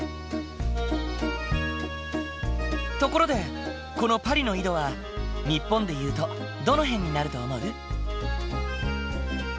ところでこのパリの緯度は日本でいうとどの辺になると思う？